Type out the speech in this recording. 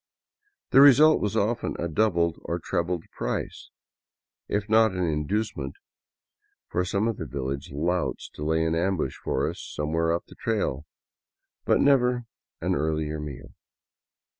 The result was often a doubled or trebled price, if not an inducement for some of the village louts to lie in ambush for us somewhere up the trail, but never an earlier meal.